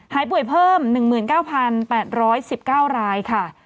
หายป่วยเพิ่ม๑๙๘๑๙รายค่ะ